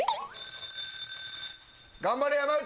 頑張れ山内！